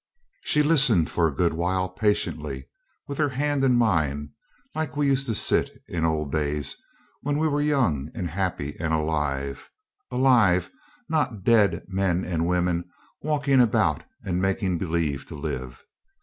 She listened for a good while patiently, with her hand in mine, like we used to sit in old days, when we were young and happy and alive alive, not dead men and women walking about and making believe to live.